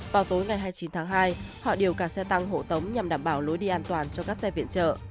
vào tối ngày hai mươi chín tháng hai họ điều cả xe tăng hộ tống nhằm đảm bảo lối đi an toàn cho các xe viện trợ